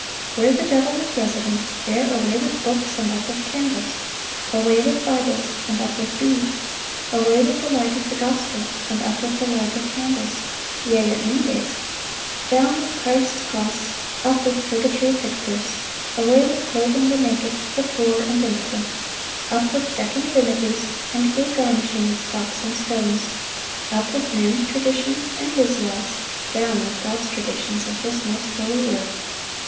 Where the devil is resident, ... there away with books, and up with candles; away with Bibles, and up with beads; away with the light of the gospel, and up with the light of candles, yea, at noondays; ... down with Christ's cross, up with purgatory pick purse; ... away with clothing the naked, the poor, and impotent, up with decking of images and gay garnishing of stocks and stones; up with man's traditions and his laws, down with God's traditions and His most holy word....